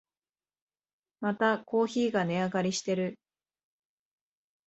またコーヒーが値上がりしてる